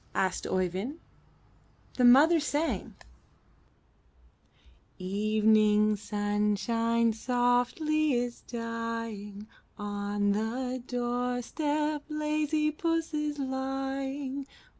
'* asked Oeyvind. The mother sang: ''Evening sunshine softly is dying, On the doorstep lazy puss is lying.